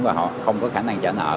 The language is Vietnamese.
và họ không có khả năng trả nợ